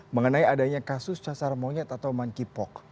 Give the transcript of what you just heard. mengenai adanya kasus casar monyet atau mankipok